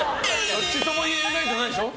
どっちとも言えないじゃないでしょ。